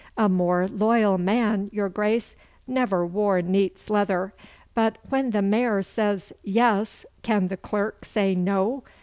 A more loyal man, your Grace, never wore neat's leather, but when the mayor says "Yes," can the clerk say "No"?